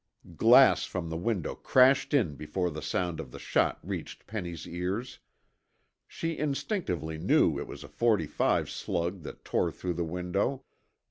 Glass from the window crashed in before the sound of the shot reached Penny's ears. She instinctively knew it was a forty five slug that tore through the window.